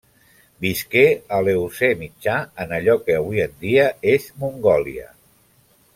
Visqué a l'Eocè mitjà en allò que avui en dia és Mongòlia.